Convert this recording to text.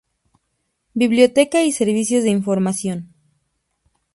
Biblioteca y Servicios de Información